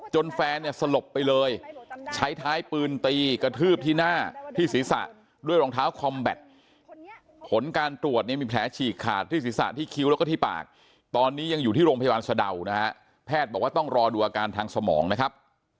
แฟนเนี่ยสลบไปเลยใช้ท้ายปืนตีกระทืบที่หน้าที่ศีรษะด้วยรองเท้าคอมแบตผลการตรวจเนี่ยมีแผลฉีกขาดที่ศีรษะที่คิ้วแล้วก็ที่ปากตอนนี้ยังอยู่ที่โรงพยาบาลสะดาวนะฮะแพทย์บอกว่าต้องรอดูอาการทางสมองนะครับ